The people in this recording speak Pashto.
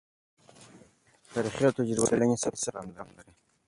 تاریخي او تجربوي څیړنې څه پیغام لري؟